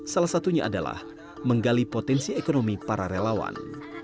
salah satunya adalah menggali potensi ekonomi para relawan